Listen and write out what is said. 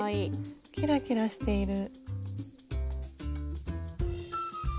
キラキラしている。